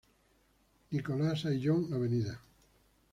Nicolás Ayllón, Av.